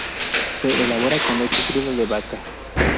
Se elabora con leche cruda de vaca.